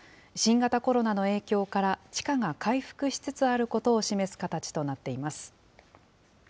新型コロナの影響から地価が回復しつつあることを示す形となっています。